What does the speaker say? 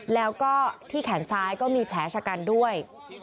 แล้วก็ที่แขนซ้ายก็มีแผลชะกันด้วย